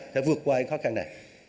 sẽ vượt qua những khó khăn này